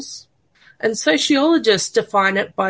dan sosiologi menentukan kesan dengan kekurangan